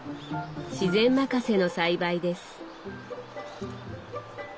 自然任せの栽培です。